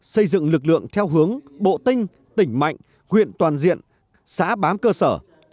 xây dựng lực lượng theo hướng bộ tinh tỉnh mạnh huyện toàn diện xã bám cơ sở